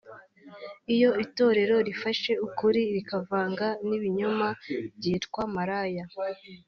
Iyo itorero rifashe ukuri rikavanga n’ibinyoma ryitwa maraya